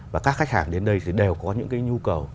và các khách hàng đến đây thì đều có những cái nhu cầu